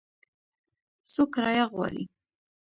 څو کرایه غواړي ؟